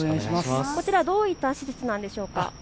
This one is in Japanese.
こちらどういった施設なんでしょうか。